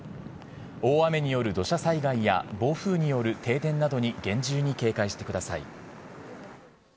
大雨による土砂災害や、暴風による停電などに厳重に警戒してください。